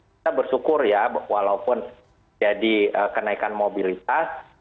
kita bersyukur ya walaupun jadi kenaikan mobilitas